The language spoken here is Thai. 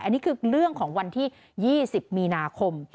อันนี้คือเรื่องของวันที่๒๐มีนาคม